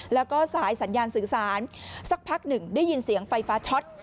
แล้วก็สายสัญญาณสื่อสารสักพักหนึ่งได้ยินเสียงไฟฟ้าช็อต